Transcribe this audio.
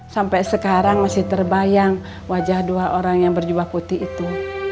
sampai sekarang masih terbayang wajah dua orang yang berjubah putih itu